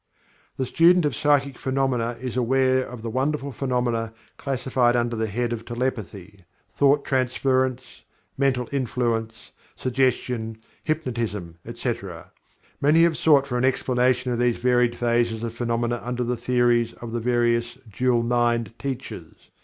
The student of Psychic Phenomena is aware of the wonderful phenomena classified under the head of Telepathy; Thought Transference; Mental Influence; Suggestion; Hypnotism, etc. Many have sought for an explanation of these varied phases of phenomena under the theories of the various "dual mind" teachers.